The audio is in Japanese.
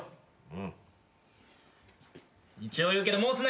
うん。